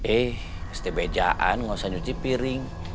eh pasti bejaan gak usah cuci piring